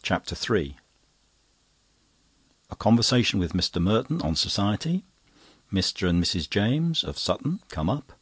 CHAPTER III A conversation with Mr. Merton on Society. Mr. and Mrs. James, of Sutton, come up.